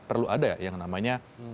perlu ada yang namanya